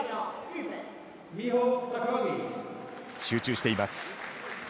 集中しています。